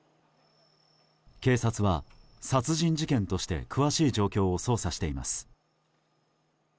警察は殺人事件として詳しい状況を捜査しています。